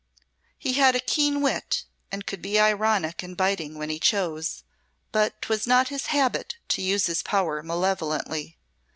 He had a keen wit, and could be ironic and biting when he chose, but 'twas not his habit to use his power malevolently.